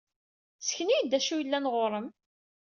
Ssken-iyi-d d acu yellan ɣer-m!